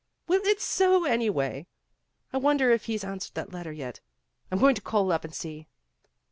"Well, it's so, anyway. I wonder if he's an swered that letter yet. I'm going to call up and see."